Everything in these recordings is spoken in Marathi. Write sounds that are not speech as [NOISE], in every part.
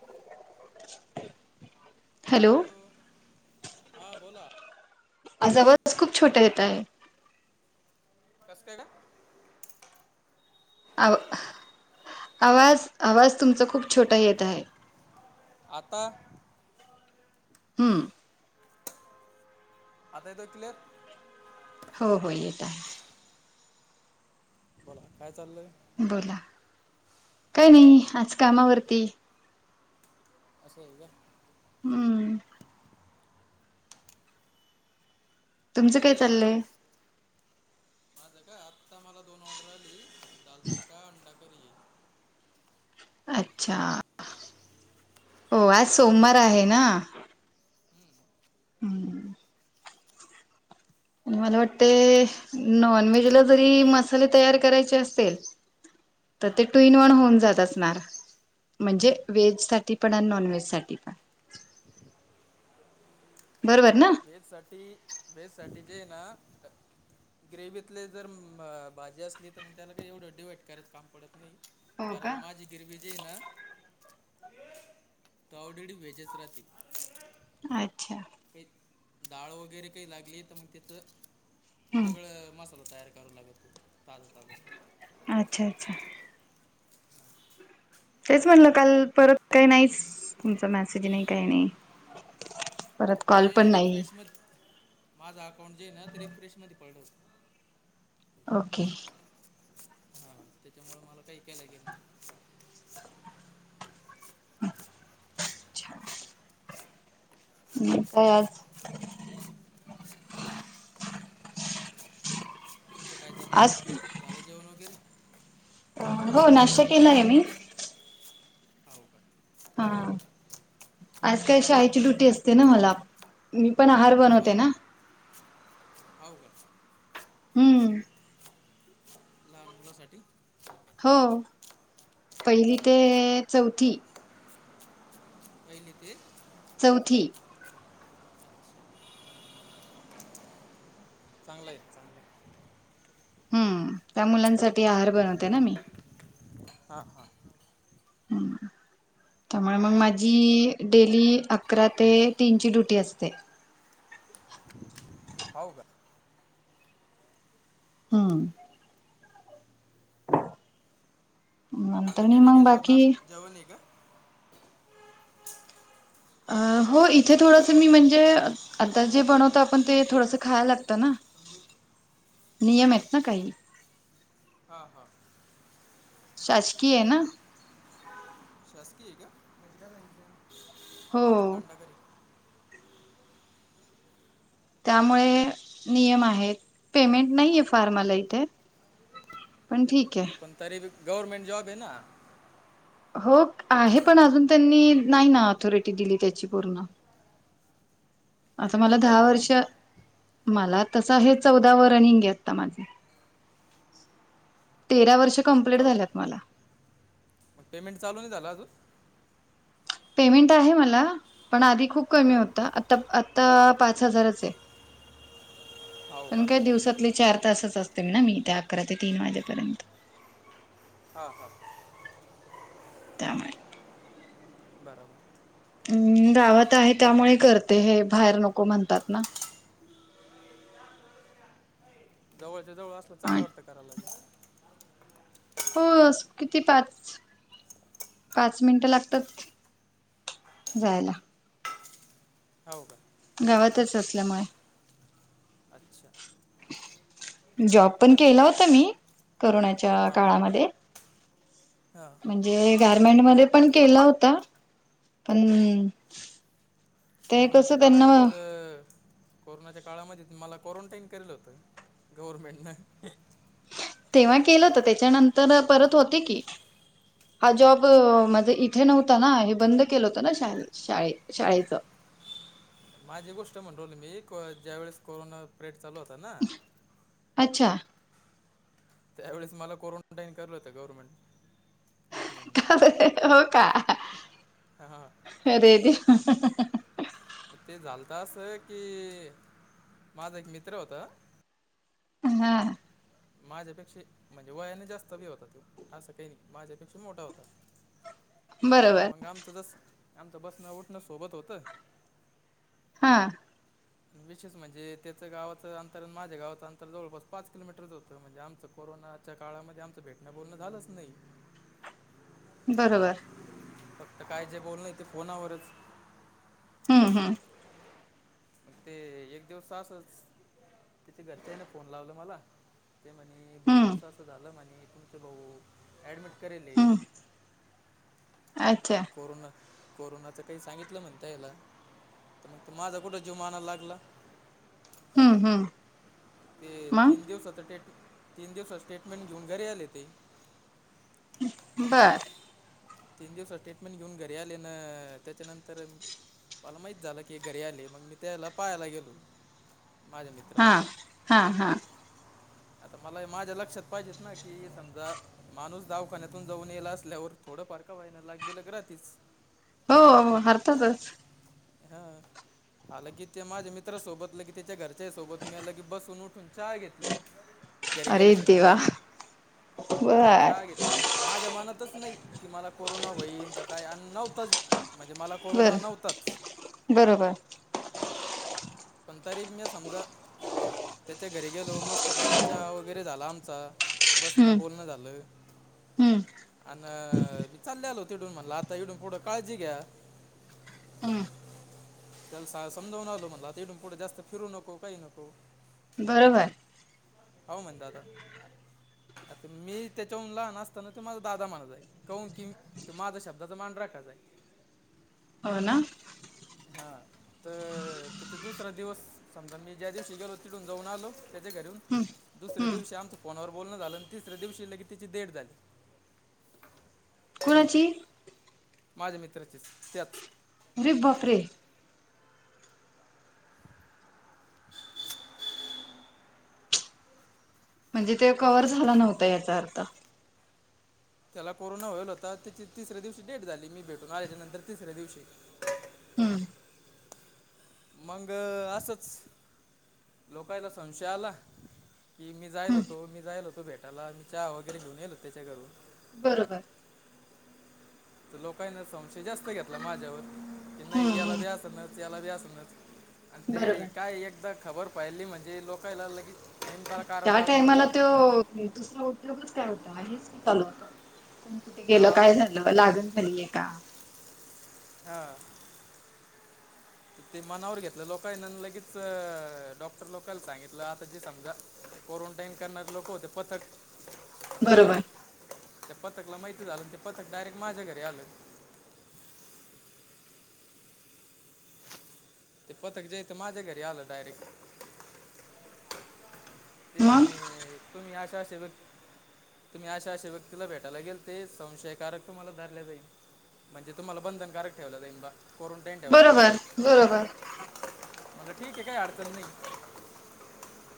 [INAUDIBLE] हॅलो, हा बोला. आज आवाज खूप छोटा येतं आहे. कस काय ग? आव आवाज आवाज तुमचा खूप छोटा येत आहे. आता हम्म. आता येतोय क्लीयर? हो हो येत आहे. बोला, काय चाललंय? बोला. काय नाही आज कामावरती. असं आहे का? हम्म. तुमचं ते काय चाललंय माझ का आता मला दोन ऑर्डर आली. दाल तडका, अंडा करी. अच्छा. हो त्याचीच आज तयारी सोमवार कर आहे ना. हम्म. मला वाटते नॉनव्हेजला जरी मसाले तयार करायचे असेल तर हां ते टू ईन वन होऊन जात असणार. म्हणजे व्हेजसाठी पण आणि नॉन व्हेजसाठी पण. बरोबर ना? व्हेजसाठी व्हेजसाठी जे आहे ना ग्रेवितली जर भाजी असली तर, मग त्याला काही एवढं डिवाईट करायच काम पडत नाही. हो कारण का माझी ग्रेव्ही जी आहे ना, ते ऑलरेडी वेगळीच राहती. अच्छा. काही डाळ वगैरे काही लागली तर मग तिथं हम्म वेगळ मसाला तयार करावं लागत, ताजं ताजं. अच्छा अच्छा. तेच म्हणलं काल परत काही नाहीच. तुमचा मॅसेज नाही, काही नाही. परत कॉल ते पण नाही. रिफ्रेशमध्ये माझं अकाउंट जे आहे ना ते रिफ्रेशमध्ये पडलं होतं. ओके. हा त्याच्यामुळे मला काही काय काय लागेन? अच्छा. मग काय आज? तुमचं काय चालू आहे, आज ‌झालं जेवण वगैरे? हो नाश्ता केलाय मी. हाव का? हा. आज काय शाळेची ड्युटी असते ना मला. मी पण आहार बनवते ना. हाव का? हम्म. कोणासाठी? हो पहिली ते चौथी. [UNINTELLIGIBLE] चौथी. चांगलं आहे, चांगलं आहे. हम्म. त्या मुलांसाठी आहार बनवते ना मी. हा हा. हम्म. त्यामुळे मग माझी, डेली अकरा ते तीनची ड्युटी असते. हो का? हम्म. मग आता नंतरनी घरी मग गेल्यावर बाकी. नाश जेवण हे का? अ हो इथे थोडंस मी म्हणजे आता जे बनवतो आपण ते थोडसं खायला लागतं ना, नियम आहेत ना काही. हा हा. शासकीय आहे ना? शासकीय आहे का? हो गांदाडकांडा करी. त्यामुळे नियम आहेत, पेमेंट नाहीय फार मला इथे. पण ठीक आहे पण तरी बी गवर्नमेंट जॉब आहेना. हो आहे, पण अजून त्यांनी नाही ना ऑथॉरिटी दिली त्याची पूर्ण. आता किती मला दिवस झाले दहा लागून वर्ष, मला तसं हे चौदा व रनिंग आता माझ्या. तेरा वर्ष कंप्लीट चौ झाल्यात मला मग पेमेंट चालू नाही झालं अजून? पेमेंट आहे मला, पण आधी खूप कमी हां होता आता आता पाच हजारच आहे. हो पण का काय दिवसातले चार तासच असते ना मी, त्या अकरा ते तीन वाजेपर्यंत. हा हा. त्यामुळे. बरोबर. हम्म गावात आहे त्यामुळे करते हे, बाहेर नको म्हणतात ना. [INAUDIBLE] जवळच्या जवळ असलं चांगलं वाटतं करायला ही. बस किती पाच, पाच मिनिटं लागतात. जायला. हो का? गावातच असल्यामुळे अच्छा. जॉब पण केला होता मी करोनाच्या हां काळामध्ये. हां म्हणजे गारमेंट मध्ये पण केला होता, पण ते कोरोनाच्या कसं त्यांना काळामध्ये तर. कोरोनाच्या काळामध्ये मला क्वारंटाईन करेल होतं, गव्हरर्मेंटनं. तेव्हा केलं होतं त्याच्यानंतर परत होते की. हा जॉब माझं इथे नव्हता ना, हे बंद केलं होतं ना शा शाळे शाळेचं. माझी गोष्ट म्हणु राहिलो मी, को ज्या वेळेस कोरोना पिरेड चालू होता ना. अच्छा. त्यावेळेस मला क्वारंटाईन करल होत, गवरमेंटन. हो का? हा हा हा. अरेे देवा. तर ते झालत अस की माझा एक मित्र होता. हा. माझ्यापेक्षा म्हणजे वयाने जास्त बी होता तो, असं काही नाही माझ्यापेक्षा मोठा होता. [UNINTELLIGIBLE] पण मग आमचं जस, आमचं बसणं उठणं सोबत होतं. हा विशेष म्हणजे, त्याचं गावाचं अंतर अन माझ्या गावाचंं अंतर जवळपास पाच किलोमीटरच होत तर म्हणजे आमचं कोरोनाच्या काळामध्ये आमचं भेटणं बोलणं झालंच नई. बरोबर. फक्त काय जे बोलणं ‌आहे ते फोनावरच‌. हम हम. मग ते एक दिवस असंच, ‌तिच्या‌ घरच्यांनी फोन लावला मला. ते म्हने भाऊ, हम्म असं असं झालं म्हने तूमचे भाऊ ऍडमिट करले लई हम्म अच्छा कोरोना. कोरोनाचं काई सांगितलं म्हणताय ना ‌‌त मग तर ‌ माझा जीव कुठं मानायला लागला. हम्म हम्म. ते मग तीन दिवसाच टेट तीन दिवसाच स्टेटमेंट घेऊन घरी आले ते. बर. तीन दिवसाचं ट्रीटमेंट घेऊन घरी आले ‌ना त्याच्यानंतर मला माहीत झालं की घरी आले ‌मग मी त्याला ‌पायाला गेलो. माझ्या हा मित्राला हा हा. आता मला माझ्या लक्षात पाहिजेत ना, की समजा माणूस‌ दवाखान्यातून जाऊन ये ल असल्यावर थोडं फार व्हय ना‌लाग बिलग रातीच. हो हो हरतातच. हा. आलं की ते माझ्या मित्रा सोबत लगी त्याच्या घरच्या सोबत‌ मया लगी बसून उठून ‌ चाहा घेतली‌. घरी अरे गेल्याच्या‌ देवा नंतर चहा बर ‌घेत‌ला म्हणजे माझ्या मनातच नई की मला कोरोना होईन का काय अन् नव्हतंच. म्हणजे मला बर कोरोना नव्हताचं. बरोबर पण तरी म्या समजा त्याच्या घरी गेलो मस्तपैकी चहा वगैरे झाला आमचा. बसण हम्म बोलण झालं. हम्म आन मी चालल्यालो तीडुन म्हणला आता इडुन पुढं काळजी घ्या. हम्म त्याला सा-समजावून आलो ‌म्हंनल आता इथून पुढं जास्त फिरू नको ‌काई‌ नको. बरोबर बरोबर. हो म्हण दादा. आता मी त्याच्याहून लहान असताना तो मला दादा म्हणालाय काउ न‌ की. तो माझ्या शब्दाचा मान राखायचाय. हो ना. हा. त त्याच्या दुसऱ्या दिवस ‌समजा मी ज्या दिवशी गेलो तीडून जाऊन आलो त्याच्या घरून. दुसऱ्या हम्म दिवशी‌ आमचं फोनावर‌ बोलणं झालं, तिसऱ्या दिवशी लगी ‌ तिची डेट झाली. कोणाची? माझ्या मितराचीच त्याच. अरे. बापरे. म्हणजे ते कवर झालं नव्हतं याचा अर्थ. त्याला कोरोना होईल होता त्याची तिसऱ्या दिवशी डेट झाली मी भेटून आल्याच्या नंतर तिसऱ्या दिवशी. हम्म मंग असच लोकायला संशय आला. ती की मी जाईल हम्म होतो मी जाईल होतो. भेटाला मी चहा वगैरे घेऊन येईल होत त्याच्या घरून बरोबर. त लोकायला संशय जास्त घेतला ‌ माझ्यावर, की‌ हम्म नई‌ याला बी हम्म आसनच याला बी आसनच. अन ते बरोबर काय एकदा खबर फैली म्हणजे लोकायला लगी टा त्या टायमाला त्यो दुसरा उद्योगचं काय होता, हेच की चालू होत. हयाला हा काय झालं लागण झाली ए का? हा. [INAUDIBLE] ते मनावर घेतलं लोकं आहे ना आणि लगेच डॉक्टर लोकाला सांगितलं आता ते समजा क्वारंटाईन करणारे लोक होते पतक. बरोबर त्या पथकला माहिती झालं आणि ते पथक डायरेक्ट माझ्या घरी आलं. ते पथक जे हाय ते माझ्या घरी आलं डायरेक्ट. ते मग म्हणे तुम्ही अशा अशा व्यक्ती. तुम्ही अशा अशा व्यक्तीला भेटायला गेलते संशयकारक तुम्हाला धरले जाईल. म्हणजे तुम्हाला बंधनकारक ठेवल जाईल बा कोरंटाईन ठेवलं जाईल का बरोबर बरोबर म्हणलं, ठीक हाय काय अडचण नाय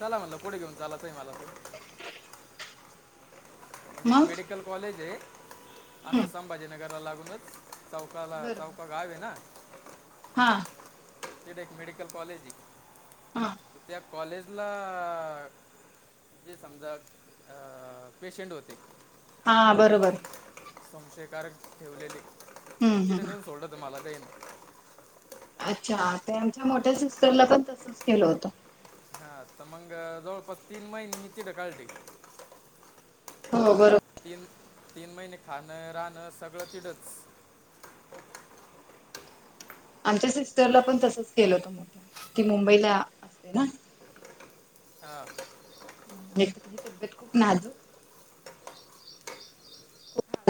चला मला कुठे घेऊन घेऊन जाताय तुम्ही. एक मग मेडिकल कॉलेज आहे. हम्म आमच्या संभाजीनगरला लागूनच चौकाला बरोबर चौका गाव आहे ना. हा तिथं एक मेडिकल कॉलेज आहे. हा त्या कॉलेजला जे समजा पेशंट होते. हा बरोबर. संशय कारक ठेवलेले हम्म तिथं हम्म नेऊन सोडलं मला त्यानं. अच्छा ते आमच्या मोठ्या सिस्टरला पण तसच केलं होतं. हा तर मंगळ जवळपास तीन महिने मी तिथे काढले. हो बरोब तीन तीन महिने खाणं राहणं सगळं तिथंच. आमच्या सिस्टरला पण तसच केलं होत म्हण, ती मुंबईला असते ना. हा. तर तिची तब्येत खूप नाजूक.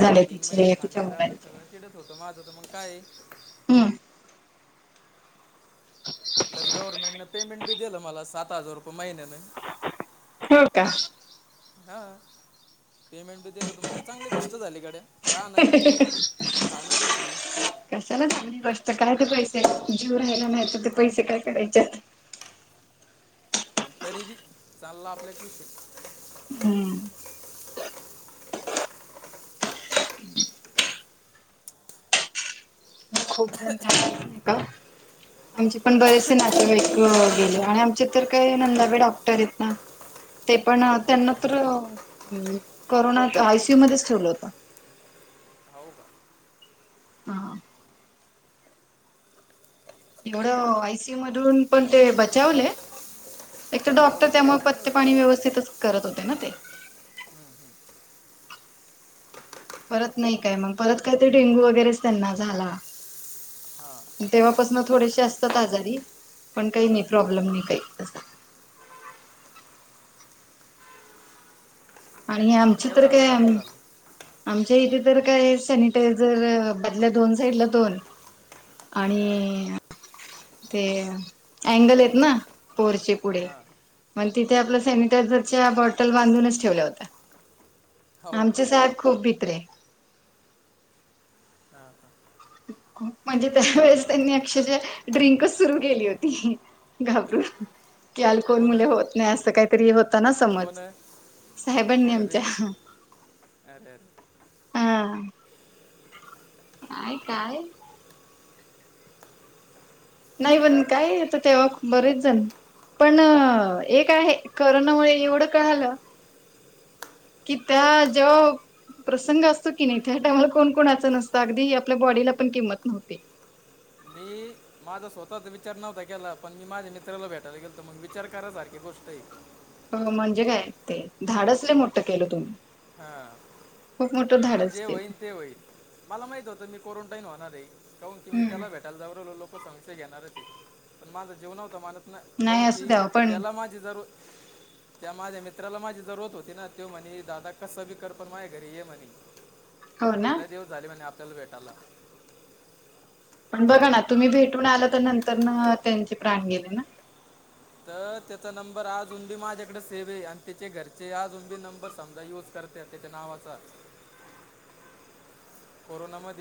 झाले तीन महिने तिचे तिच्या खाणं राहणं मुलांचे सगळं तिथेच होतं माझं तर काय? हम्म. [INAUDIBLE] प्लस गव्हर्मेंटन पेमेंट पण. दिलं मला सात हजार रुपये महिन्यान. होय का? हा. पेमेंट भी दिल तर म्हणलं चांगली गोष्ट झाली गड्या, राहणं बी फ्री खान बी फ्री. कशाला [UNINTELLIGIBLE] बसत काय ते पैसे जीव राहिला नाही तर ते पैसे काय करायचे आहेत? पण तरी बी चालला आपल्या हम्म खूप [UNINTELLIGIBLE] आमचे पण बरेचसे नातेवाईकं गेले आणि आमच्या तर काही नंदा बी डॉक्टर आहेत ना. ते पण हां हां त्यांना तर करोनात आयसीयूमध्येच ठेवलं होत. हावू का हा. एवढं आय सी यू मधून पण ते बचावले एक तर हो डॉक्टर का त्यामुळे चांगलं पथ्य झालं पाणी व्यवस्थितच करत होते ना ते. परत नाही काय. मग परत काय ते डेंग्यू वगैरेच त्यांना झाला. हां तेव्हापासून थोडेसे असतात आजारी पण, काही नाही हां प्रॉब्लेम नाही काही असा. आणि आमची थोडक्यात तर झालं काय आम्ही चांगलं झालं आमच्या इथे तर काय सॅनिटायझर बदल्या दोन जायला दोन आणि हां ते अँगल आहेत ना पोअरचे पुढे. हां मग तिथे आपलं सॅनिटायझरच्या बॉटल बांधूनच ठेवल्या होत्या. हो का आमचे साहेब खूप भित्रे. हां हां. म्हणजे, अक्षरशा त्यांनी ड्रिंकच सुरू केली होती. घाबरून की अल्कोहोल कोण मुळे आहे होत नाही असं काहीतरी होता ना कोण समज. आहे साहेबांनी कोण आहे आमच्या. ते अरे अरे हा काय काय. नाही पण काय, तर तेव्हा बरेच जन पण एक आहे, करोनामुळे एवढं कळालं की त्या जेव्हां प्रसंग असतो की नाही, त्या टायमाला कोण कोणाच नसतं. अगदी आपल्या बॉडीला पण किंमत नव्हती. मी माझा स्वतःचा विचार केला नव्हता केला पण मी माझ्या मित्राला भेटायला गेलतो मग विचार करायसारखी गोष्ट आहे म्हणजे काय, ते धाडस लय मोठं केलं तुम्ही हा खूप मोठं म्हणलं धाडस जे होईन केलं ते होईल. मला माहिती होतं मी क्वारंटईन होनार आहे, काऊण की मी त्याला हम्म भेटायला जाऊन राहिलो तो संशय घेणारच हे, पण माझं जीवनावर [UNINTELLIGIBLE] काहून नाही असू की द्याव पण त्याला माझ ती जरूर त्या माझ्या मित्राला माझी जरुरत होती ना तो म्हणे दादा कसबी कर पण माया घरी ये म्हणे, हो ना लय दिवस झाले म्हणे आपल्याला भेटायला पण, बघा ना तुम्ही भेटून आला तर नंतर ना त्यांचे प्राण गेले ना. तर त्याचा नंबर आजून बी माझ्याकडे सेव्ह आहे आणि त्याचे घरचे आजून बी नंबर समजा युज करता त्याच्याच नावाचा. [INAUDIBLE] [UNINTELLIGIBLE] कोरोनामधी.